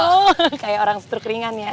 oh kayak orang setur keringan ya